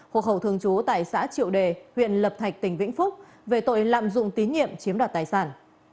hộ khẩu thường trú tại xã triệu đề huyện lập thạch tỉnh vĩnh phúc về tội lạm dụng tín nhiệm chiếm đoạt tài sản